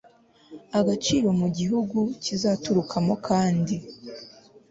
agaciro mu gihugu kizaturukamo kandi